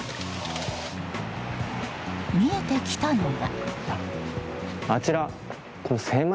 見えてきたのが。